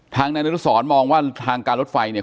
ทางนายนรุสรมองว่าทางการรถไฟเนี่ย